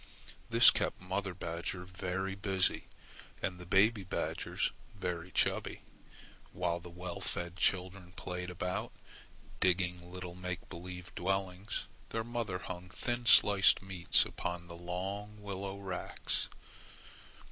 This kept mother badger very busy, and the baby badgers very chubby. While the well fed children played about, digging little make believe dwellings, their mother hung thin sliced meats upon long willow racks.